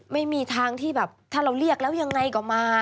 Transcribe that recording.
ไม่มีทางที่แบบถ้าเราเรียกแล้วยังไงก็มา